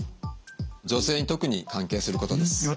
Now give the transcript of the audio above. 女性に特に関係することです。